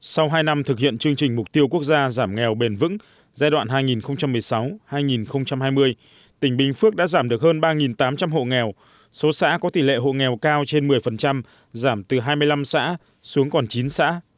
sau hai năm thực hiện chương trình mục tiêu quốc gia giảm nghèo bền vững giai đoạn hai nghìn một mươi sáu hai nghìn hai mươi tỉnh bình phước đã giảm được hơn ba tám trăm linh hộ nghèo số xã có tỷ lệ hộ nghèo cao trên một mươi giảm từ hai mươi năm xã xuống còn chín xã